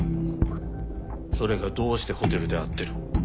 それがどうしてホテルで会ってる？